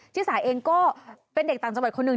ที่สาเองก็เป็นเด็กต่างจังหวัดคนหนึ่ง